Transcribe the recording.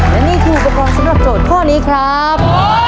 แล้วนี่คือคนสนับโจทย์ข้อนี้ครับ